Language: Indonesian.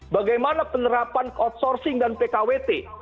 bagaimana penerapan outsourcing dan pkwt